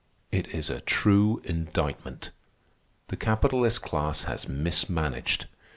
It is a true indictment. The capitalist class has mismanaged.